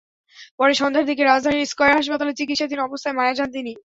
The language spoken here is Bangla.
পরে সন্ধ্যার দিকে রাজধানীর স্কয়ার হাসপাতালে চিকিৎসাধীন অবস্থায় মারা যান তিনি।